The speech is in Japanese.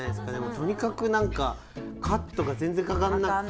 とにかく何かカットが全然かかんなくて。